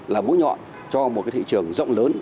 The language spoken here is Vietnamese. là mũi nhọn cho một cái thị trường rộng lớn